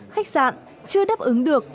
khách sạn chưa đáp ứng được